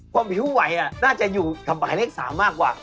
ความผิวไหวน่าจะอยู่กับบ่ายเลขสามมากกว่า